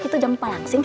itu jamu pak langsing